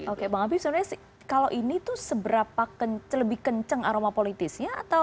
oke bang habib sebenarnya kalau ini tuh seberapa lebih kenceng aroma politisnya